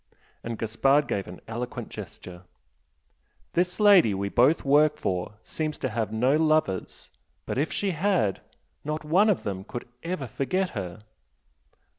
And Gaspard gave an eloquent gesture "This lady we both work for seems to have no lovers but if she had, not one of them could ever forget her!"